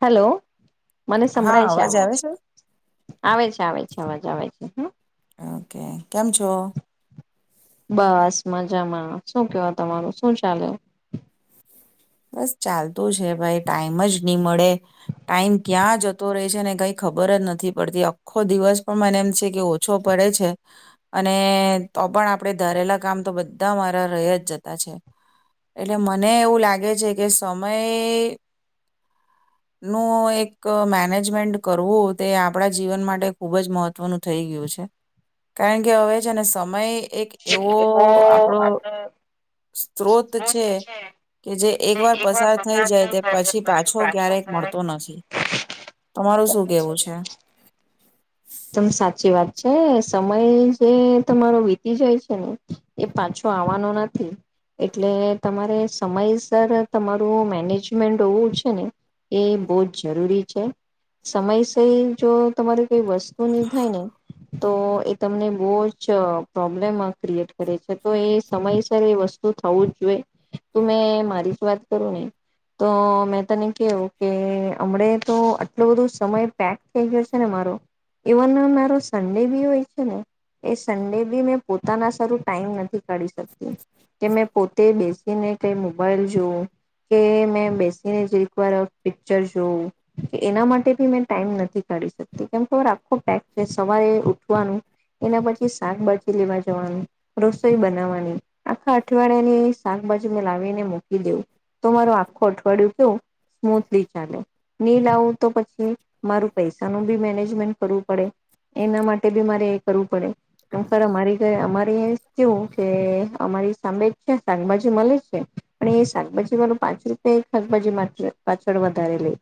Hello મને સંભળાય છે અવાજ આવે છે આવે છે. અવાજ આવે છે હમમ ઓકે કેમ છો? બસ મજામાં શું કેવો તમારું શું ચાલે? બસ ચાલતું છે ભાઈ ટાઈમ જ નહી મળે. ટાઈમ ક્યાં જતો રહે છે ને કઈ ખબર જ નથી પડતી. આખો દિવસ પણ મને એમ છે કે ઓછો પડે છે અને તો પણ આપણેે ધારેલા કામ તો બધા મારા રય જ જતા છે એટલે મને એવું લાગે છે કે સમય નું એક મેનેજમેન્ટ કરવું તે આપણા જીવન માટે ખુબ જ મહત્વનું થઈ ગયું છે કારણ કે હવે છેને સમય એક એવો આપડો સ્ત્રોત છે કે જે એક વાર પસાર થઈ જાય તે પછી પાછો ક્યારેક મળતો નથી. તમારું શું કેવું છે? એકદમ સાચી વાત છે. સમય જે તમારો વીતી જાય છે ને એ પાછો આવવાનો નથી એટલે તમારે સમયસર તમારું મેનેજમેન્ટ હોવું છે ને એ બી જ જરૂરી છે સમયસર જો તમારી કઈ વસ્તુ ને તો એ તમને બો જ પ્રોબ્લેમ ક્રિએટ કરે છે તો એ સમયસર એ વસ્તુ થવું જ જોઈએ તો મેં મારી જ વાત કરું ને તો મેં તને કેહું કે અમને તો આટલો બધો સમય પેક થઈ ગયો છે ને મારો ઇવન મારો સન્ડે બી હોય છે ને એ સન્ડે બી મેં પોતાના સારું ટાઈમ નથી કાઢી શકતી કે મેં પોતે બેસીને કઈ મોબાઈલ જોવું, કે મેં બેસીને જરીકવાર પિક્ચર જોવું કે એના માટે બી મેં ટાઈમ નથી કાઢી શકતી. આખું પેક છે સવારે ઉઠવાનું એના પછી શાકભાજી લેવા જવાનું રસોઈ બનાવવાની આખા અઠવાડિયાની શાકભાજી મે લાવીને મૂકી દેવું તો મારુ આખું અઠવાડિયું કેવું સ્મૂથલી ચાલે ની લાવું તો પછી મારું પૈસા નું બી મેનેજ મેનેજમેન્ટ કરવું પડે એના માટે બી મારે કરવું પડે ખર અમારી અમારે કેવું કે અમારી સામે છે શાકભાજી મળે છે પણ એ શાકભાજી વાળું પાંચ રૂપિયા શાકભાજી પાછળ વધારે લે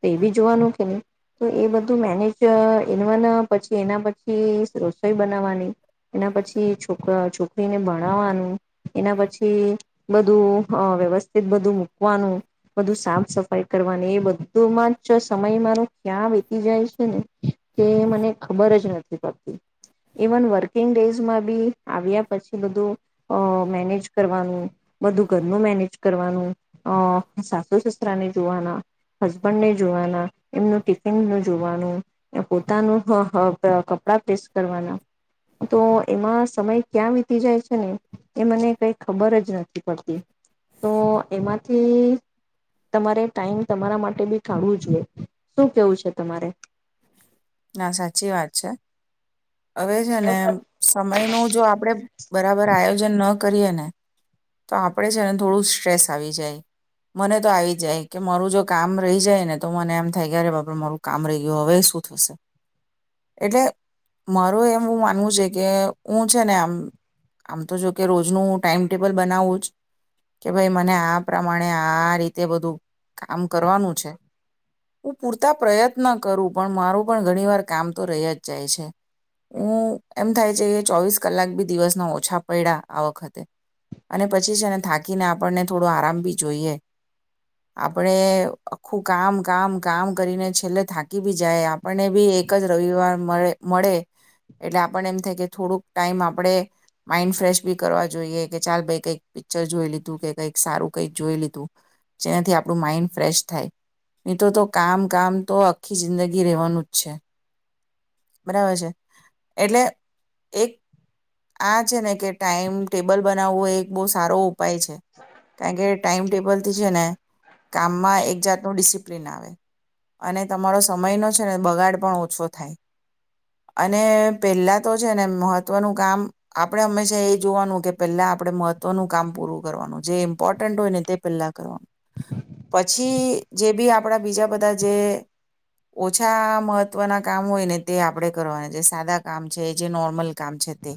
તો એ બી જોવાનું કે નહી તો એ બધું મેનેજ એના પછી એના પછી રસોઈ બનાવવાની એના પછી છોકરા છોકરીને ભણાવવાનું એના પછી બધું વ્યવસ્થિત બધું મૂકવાનું બધું સાફ સફાઈ કરવાની એ બધુંમાં જ સમય મારો ક્યાં વેતી જાય છે ને કે મને ખબર જ નથી પડતી ઈવન વર્કિંગ ડેઝમાં બી આવ્યા પછી બધું મેનેજ કરવાનું, બધું ઘરનું મેનેજ કરવાનું, અ સાસુ, સસરાને જોવાના, હસબન્ડને જોવાના એમનું ટિફિનનું જોવાનું ને પોતાનું હ હ કપડા પ્રેસ કરવાના તો એમાં સમય ક્યાં વીતી જાય છે ને એ મને કઈ ખબર જ નથી પડતી તો એમાંથી તમારે ટાઈમ તમારા માટે બી કાઢવું જોઈએ શું કેવું છે તમારે? ના સાચી વાત છે. હવે છે ને સમય નું જો આપડે બરાબર આયોજન ન કરીએ ને તો આપડે છે ને થોડું સ્ટ્રેસ આવી જાય મને તો આવી જાય કે મારું જો કામ રહી જાય ને તો મને એમ થાય કે અરે બાપ રે મારું કામ રેય ગયું હવે શું થશે એટલે મારુ એવું માનવું છે કે હું છે ને આમ આમ તો જો કે રોજનું ટાઈમટેબલ બનાવવું જ કે ભાઈ મને આ પ્રમાણે આ રીતે બધું કામ કરવાનું છે હું પૂરતા પ્રયત્ન કરું પણ મારું પણ ઘણી વાર કામ તો રય જ જાય છે. હું એમ થાય છે કે ચોવીસ કલાક બી દિવસના ઓછા પયડા આ વખતે અને પછી છે ને ને થાકીને આપણને થોડો આરામ બી જોઈએ આપણે આખું કામ કામ કામ કરીને છેલ્લે થાકી થાકી બી જાય આપણને બી એક જ રવિવાર મળે મળે એટલે આપણને એમ થાય કે થોડુંક ટાઈમ આપણે માઈન્ડ ફ્રેશ બી કરવા જોઈએ કે ચાલ ભઈ કંઈક પિક્ચર જોઈ લીધું કે કંઈક સારું કંઈક જોઈ લીધું જેનાથી આપણું માઈન્ડ ફ્રેશ થાય ની તો તો કામ કામ તો આખી જિંદગી રહેવાનું જ છે બરાબર છે એટલે એક આ છે ને કે ટાઈમ ટેબલ બનાવવું એક બો સારો ઉપાય છે કારણ કે ટાઈમટેબલ ને કામમાં એક જાતનું ડિસિપ્લિન આવે, અને તમારો સમય ન છે ને બગાડ પણ ઓછો થાય, અને પહેલા તો છે ને મહત્વનું કામ આપણે હંમેશા એ જોવાનું કે પહેલા આપણે મહત્વનું કામ પૂરું કરવાનું જે ઇમ્પોર્ટન્ટ હોય ને તે પહેલા કરવાનું. પછી જે બી આપ આપણા બીજા બધા જે ઓછા મહત્વના કામ હોય ને તે આપણે કરવાના જે સાદા કામ છે જે નોર્મલ કામ છે તે,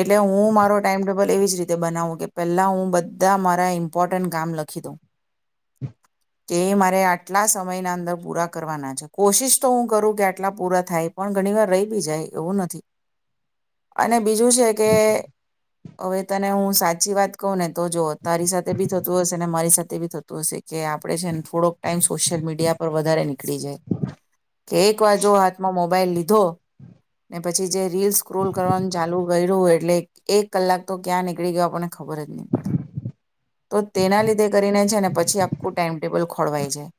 એટલે હું મારો ટાઈમટેબલ એવી જ રીતે બનાવું કે પહેલા હું બધા મારા ઇમ્પોર્ટન્ટ કામ લખી દઉં, કે મારે આટલા સમયના અંદર પ કરવાના છે કોશિશ તો હું કરું કે આટલા પૂરા થાય પણ ઘણી વાર રહી બી જાય એવું નથી, અને બીજું છે કે હવે તને હું સાચી વાત કહું ને તો જો તારી સાથે બી થતું હશે ને મારી સાથે બી થતું હશે કે આપણે છે ને થોડોક ટાઈમ સોશિયલ મીડિયા પર વધારે નીકળી જાય, કે એક વાર જો હાથમાં મોબાઈલ લીધો ને પછી જે રીલ સ્ક્રોલ કરવાનું ચાલુ ગ્યું હોય એટલે એક કલાક તો ક્યાં નીકળી ગયો આપને ખબર જ નહી પડે. તો તેના લીધે કરીને છે ને પછી આખું ટાઈમટેબલ ખોળવાય જાય.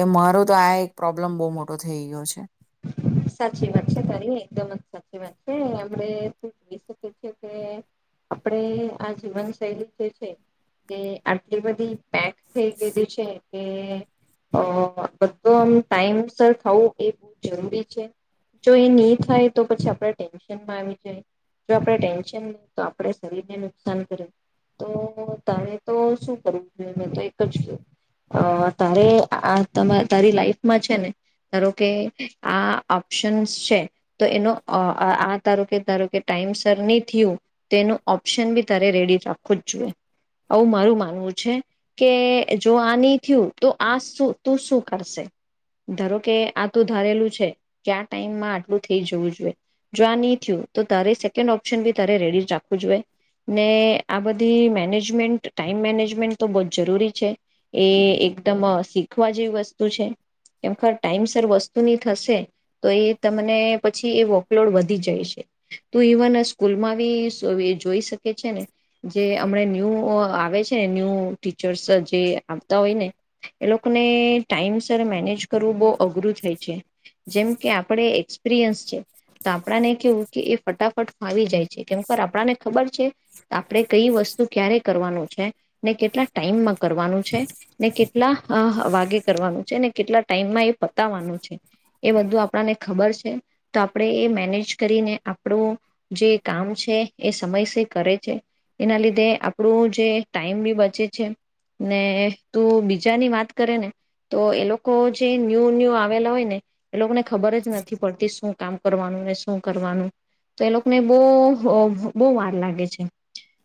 એ મારો તો આ એક પ્રોબ્લેમ બહુ મોટો થઇ ગયો છે. સાચી વાત છે તારી એકદમ જ સાચી વાત છે આપણે જોઈ શકી છે કે, આપણે આ જીવન શૈલી જે છે, તે આટલી બધી પેક થઈ ગયેલી છે કે બધો આ ટાઈમ સર થવું એ બ જો એ નહી થાય તો પછી આપણે ટેન્શનમાં આવી જાય, જો આપણે ટેન્શન તો આપણે શરીરને નુકસાન કરે, તો તારે તો શું કરવું જોઈએ મે તો એક જ ક તારે આ તારી લાઈફમાં છે, ને ધારો કે આ ઓપ્શન્સ છે, તો એનો આ ધારો કે ધારો કે ટાઈમ સર નહી થયું તો એનું ઓપ્શન બી તારે રેડી રાખવું જ જોઈએ, આવું મારું માનવું છે કે જો આ નહી થયું તો આ તું શું કરશે, ધારો કે આ તું ધારેલું ટ આટલું થઈ જું જોઈએ આ નહી થયું તો ત સેકન્ડ ઓપ્શન બી રેડી રાખવું જોઈએ, ને આ બધી મેનેજમેન્ટ ટાઈમ મેનેજમેન્ટ તો બ જ જરૂરી છે, એ એકદમ શીખવા જેવી વસ્તુ છે, કેર ટાઈમસ વસ્તુ થશે તો એ તમને પછી એ વર્કલોડ વધી જાય છે તું ઇવન સ્કૂલમાં બી જોઈ શકે, છે ને જે હમણા ન્યૂ આવે છે ને ન્યૂ ટીચર્સ જે આવતા હોય ને એ લોકોને ટાઈમ સર મેનેજ કરવું બહુ અઘરું થાય છે. જેમ કે આપણે એક્સપિરિયન્સ છે તો આપણાને કેવું કે એ ફટાફટ ફાવી જાય છે કેમ આપણાને ખબર છે, આપણે કઈ વસ્તુ ક્યારે કરવાનું છે, ને કેટલા ટાઈમમાં કરવાનું છે ને કેટલા વાગે કરવાનું છે ને કેટલા ટાઈમમાં એ પતાવાનું છે. એ બધું આપને ખબર છે, તો આપણે એ મેનેજ કરીને આપણું જે કામ છે એ સમય સ કરે છે, એના લીધે આપણું જે ટાઈમ બી બચે છે, ને તું બીજાની વાત કરે ને તો એ લોકો જે ન્યૂ ન્યૂ આવેલા હોય ને. એ લોકોને ખબર જ નથી પડતી શું કામ કરવાનું ને શું કરવાનું, તો એ લોકોને બહુ બહુ વાર લાગે છે,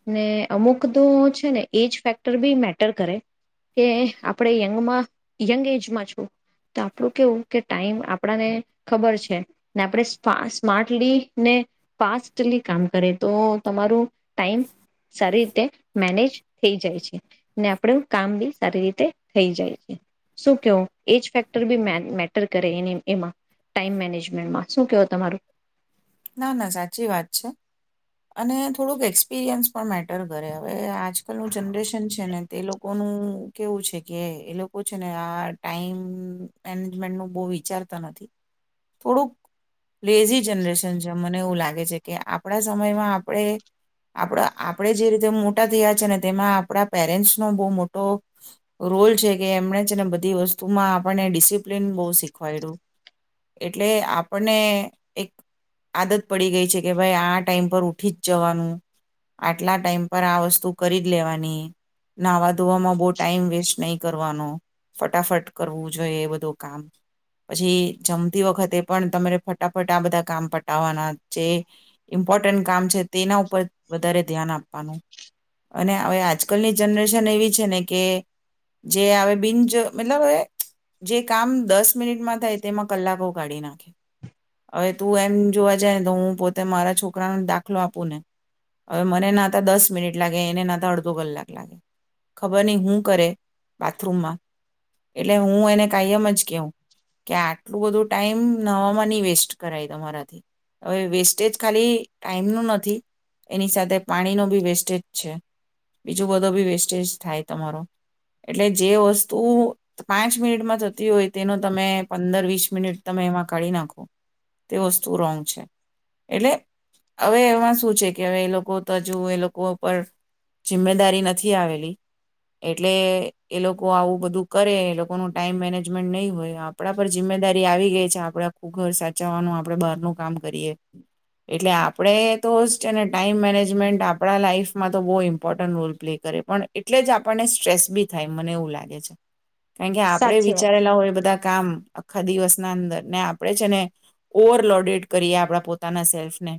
ને અમુક તો છે ને એજ ફેક્ટર બી મેટર કરે, કે આપણે યંગમાં યંગ એજમાં છું, તો આપણું કેવું કે ટાઈમ આપણને, ખબર છે ને આપણે સ્માર્ટલી ને ફાસ્ટલી કામ કરે તો તમારું ટાઈમ સારી રીતે મેનેજ થઈ જાય છે, ને આપણે કામ બી સારી રીતે થઈ જાય છે, શું કવો એજ ફેક્ટર બી મેટર કરે એની. એમાં ટાઈમ મેનેજમેન્ટમાં શું કેવો તમારું. ના, ના, સાચી વાત છે, અને થોડુંક એક્સપિરિયન્સ પણ મેટર કરે હવે આજકાલનું જનરેશન છે ને તે લોકો લોકોનું કેવું છે કે એ લોકો છે ને આ ટાઈમ મેનેજમેન્ટ નુ બહુ વિચારતા નથી થોડુંક લેઝી જનરેન મને એવું લાગે છે કે, આપણા સમયમાં આપણે આપણા આપણે જે રીતે મોટા થયા છે ને તેમાં આપણા પેરેન્ટ્સનો બહુ મોટો રોલ છે કે એમણે છે ને બધી વસ્તુમાં આપણને ડિસિપ્લિન બહુ શીખવાયડ્યું એટલે આપણને એક આદત પડી ગઈ છે કે ભાઈ આ ટાઈમ પર ઉઠી જ જવાનું આટલા ટાઈમ પર આ વસ્તુ કરી જ લેવાની નહાવા ધોવામાં બહુ ટાઈમ વેસ્ટ નહી કરવાનો ફટાફટ કરવું જોઈએ એ બધું કામ પછી જમતી વખતે પણ તમારે ફટાફટ આ બધા કામ પટાવવાના જે ઇમ્પોર્ટન્ટ કામ છે, તેના ઉપર વધારે ધ્યાન આપવાનું અને હવે આજકાલની જનરેશન એવી છે ને કે જે હવે બિનજ મતલબ હવે જે કામ દસ મિનિટમાં થાય તેમાં કલાકો કાઢી નાખે હવે તું એમ જોવા જઈ ને તો હું પોતે મારા છોકરાનો દાખલો આપું ને હવે મને નાતા દસ મિનિટ લાગે એને નાતા અડધો કલાક લાગે ખબર નહીં હું કરે બાથરૂમમાં એટલે હું એને કાયમ જ કહું કે આટલું બધું ટાઈમ નવામાં નહીં વેસ્ટ કરાય તમારાથી, હવે વેસ્ટેજ ખાલી ટાઈમનું નથી એની સાથે પાણીનો બી વેસ્ટેજ છે બીજું બધો બી વેસ્ટેજ થાય તમારો એટલે જે વસ્તુ પાંચ મિનિટમાં થતી હોય તેનો તમે પંદર વીસ મિનિટ, તમે એમાં કાઢી નાખો તે વસ્તુ રોંગ છે, એટલે હવે એમાં શું છે કે હવે એ લોકો તો હજુ એ લોકો પર જિમ્મેદારી નથી આવેલી એટલે એ લોકો આવું બધું કરે એ લોકોનું ટાઈમ મેનેજમેન્ટ નહીં હોય આપણા પર જિમ્મેદારી આવી ગઈ છે, આપણા ખું ઘર સાચું ચવાનું આપડ બારનું કામ કરીએ એટલે આપણે તો જ છે ને ટાઈમ મેનેજમેન્ટ આપણા લાઈઇફમાં તો બહુ ઇમ્પોર્ટન્ટ રોલ પ્લે કરે પણ એટલે જ આપણને સ્ટ્રેસ બી થાય મને એવું લાગે છે કારણ કે આપડે સાચી વાત વિચારેલા હોય બધા કામ આખા દિવસ ના અંદર ને આપડે છે ને ઓવરલોડેડ કરીએ આપણા પોતાના સેલ્ફને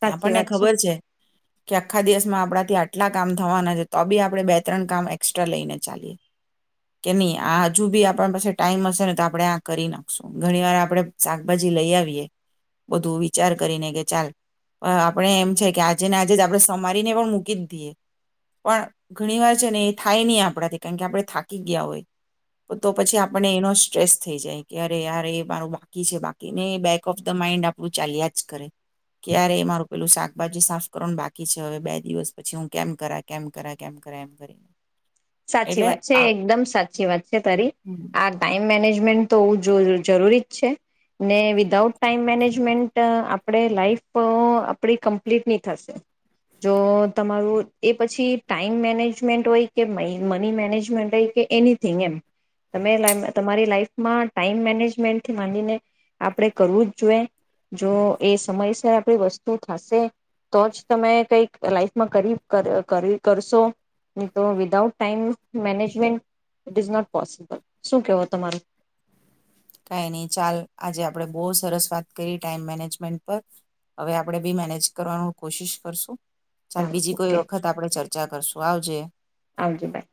સાચી આપણને વાત ખબર છે કે આખા દિવસમાં આપણાથી આટલા કામ થવાના છે તો બી આપણે બે ત્રણ કામ એકસ્ટ્રા લઈને ચાલીએ કે ની આ હજુ બી આપણા પાસે ટાઈમ હશે ને તો આપણે આ કરી નાખશું ઘણીવાર આપણે શાકભાજી લઈ આવીએ બધું વિચાર કરીને કે ચાલ આપણે એમ છે કે આજે ને આજે જ આપણે સમારીને પણ મૂકી જ દઈએ પણ ઘણી વાર છે ને એ થાય નહી આપણાથી કારણ કે આપણે થાકી ગયા હોય તો પછી આપણને એનો સ્ટ્રેસ થઈ જાય કે અરે યાર એ મારું બા બાકી છે બાકીને બેક ઓફ ધ માઈન્ડ આપડું ચાલ્યા જ કરે. કયારે મારું પેલું શાકભાજી સાફ કરવાનું બાકી છે હવે બે દિવસ પછી હું કેમ કરા કેમ કરા કેમ કરા એમ કરી. સાચી વાત છે એકદમ સાચી વાત છે તારી. આ ટાઈમ મેનેજ મેન્ટ તો હોવું જ જરૂરી જ છે ને વિધાઉટ ટાઈમ મેનેજમેન્ટ આપણે લાઈફ આપણી કમ્પ્લીટ ની થશે જો તમારું એ પછી ટાઈમ મેનેજમેન્ટ હોય કે મે મની મેનેજમેન્ટ કે એનીથીંગ એમ તમે તમારી લા લાઈફમાં ટાઈમ મેનેજમેન્ટથી માંડીને આપણે કરવું જ જોઈએ જો એ સમયસર આપણી વસ્તુ થશે તો જ તમે કઈક લાઈફમાં કરી કરી કરશો નહી તો without time management is not possible શું કેવો તમારું. કઈ નહી ચાલ આજે આપણે બોહ સરસ વાત કરી ટાઈમ મેનેજમેન્ટ પર હવે આપણેે બી મેનેજ કરવાનું કોશિશ કરશું. ચાલ ચાલો બીજી કોઈ વખત આપડે ચર્ચા ચર્ચા કરશું આવજે. આવજે બાય.